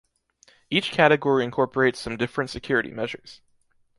Each category incorporates some different security measures.